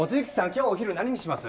今日お昼何にします？